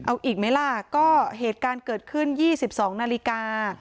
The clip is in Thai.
เอาอีกไหมล่ะก็เหตุการณ์เกิดขึ้น๒๒นาฬิกา